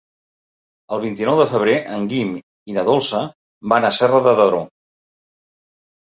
El vint-i-nou de febrer en Guim i na Dolça van a Serra de Daró.